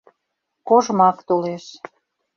Кожмак толеш.